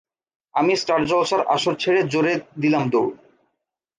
আমি স্টার জলসার আসর ছেড়ে জোরে দিলাম দৌড়।